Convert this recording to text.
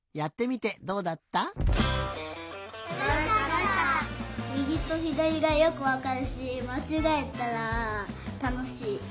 みぎとひだりがよくわかるしまちがえたらたのしい。